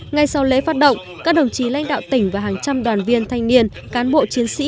ngay sau lễ phát động các đồng chí lãnh đạo tỉnh và hàng trăm đoàn viên thanh niên cán bộ chiến sĩ